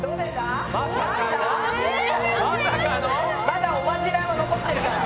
まだおまじないも残ってるから。